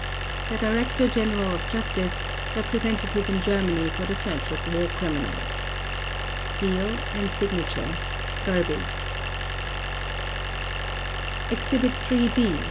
The Director General of Justice Representative in Germany for the Search of War Criminals, (Seal) /s/ FURBY Exhibit III B.